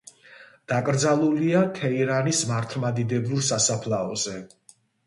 დაკრძალულია თეირანის მართლმადიდებლურ სასაფლაოზე.